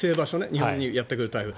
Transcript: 日本にやってくる台風。